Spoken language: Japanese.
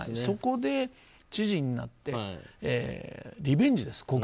そこで、知事になってリベンジです。